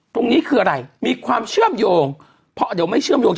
ตรงนี้คืออะไรมีความเชื่อมโยงเพราะเดี๋ยวไม่เชื่อมโยง